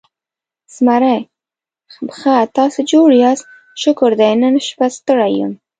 زمری: ښه، تاسې جوړ یاست؟ شکر دی، نن شپه ستړی یم.